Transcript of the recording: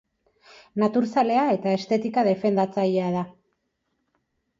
Natur zalea eta estetika defendatzailea da.